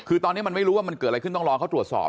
คือตอนนี้มันไม่รู้ว่ามันเกิดอะไรขึ้นต้องรอเขาตรวจสอบ